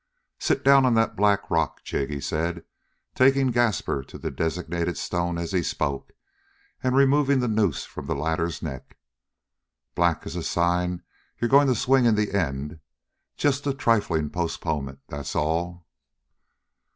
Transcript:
"Sit down on that black rock, Jig," he said, taking Gaspar to the designated stone as he spoke, and removing the noose from the latter's neck. "Black is a sign you're going to swing in the end. Jest a triflin' postponement, that's all."